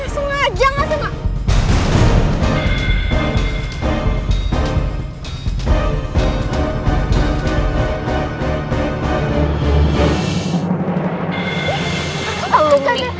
sengaja gak sengaja